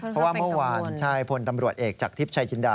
เพราะว่าเมื่อวานใช่พลตำรวจเอกจากทิพย์ชายจินดา